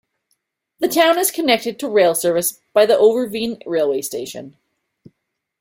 The town is connected to rail service by the Overveen railway station.